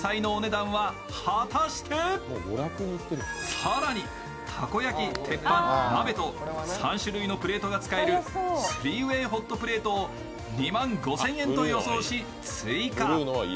更に、たこ焼き、鉄板、鍋と３種類のプレートが使える３ＷＡＹホットプレートを２万５０００円と予想し、追加。